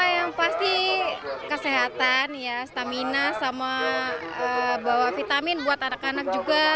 yang pasti kesehatan ya stamina sama bawa vitamin buat anak anak juga